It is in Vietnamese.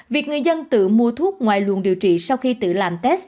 việc người dân tự mua thuốc ngoài luồn điều trị sau khi tự làm test